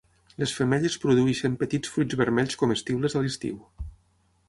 Les femelles produeixen petits fruits vermells comestibles a l'estiu.